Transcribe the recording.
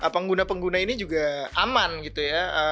pengguna pengguna ini juga aman gitu ya